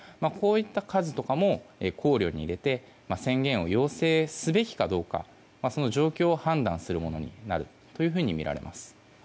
こういった数とかも考慮に入れて宣言を要請すべきかどうかその状況を判断するものになるとみられます。